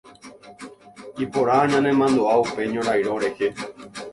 Iporã ñanemandu'a upe ñorairõ rehe.